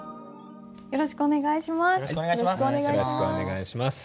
よろしくお願いします。